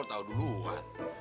lu tahu duluan